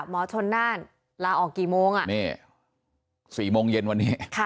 หมอชนนั่นลาออกกี่โมงนี่สี่โมงเย็นวันนี้ค่ะ